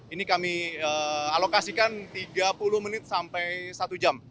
ini kami alokasikan tiga puluh menit sampai satu jam